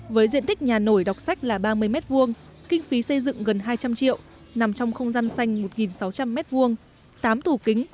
với diện tích nhà nổi đọc sách là ba mươi m hai kinh phí xây dựng gần hai trăm linh triệu nằm trong không gian xanh một sáu trăm linh m hai tám tủ kính